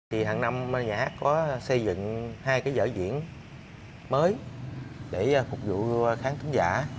hằng năm nhà hát có xây dựng hai cái giở diễn mới để phục vụ khán tính giả